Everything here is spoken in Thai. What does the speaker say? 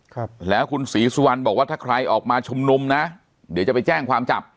ครับแล้วคุณศรีสุวรรณบอกว่าถ้าใครออกมาชุมนุมนะเดี๋ยวจะไปแจ้งความจับ